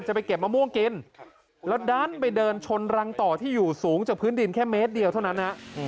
ไปเก็บมะม่วงกินแล้วดันไปเดินชนรังต่อที่อยู่สูงจากพื้นดินแค่เมตรเดียวเท่านั้นนะ